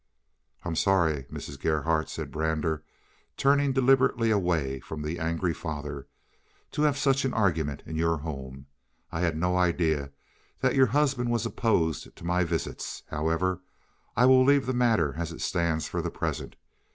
"I am sorry, Mrs. Gerhardt," said Brander, turning deliberately away from the angry father, "to have had such an argument in your home. I had no idea that your husband was opposed to my visits. However, I will leave the matter as it stands for the present.